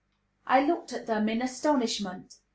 I looked at them in astonishment.